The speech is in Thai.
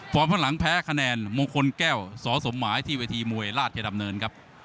ข้างหลังแพ้คะแนนมงคลแก้วสสมหมายที่เวทีมวยราชดำเนินครับ